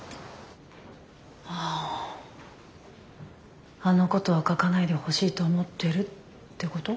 ああのことは書かないでほしいと思ってるってこと？